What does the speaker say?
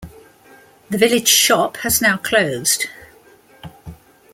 The village shop has now closed.